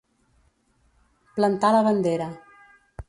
Plantar la bandera.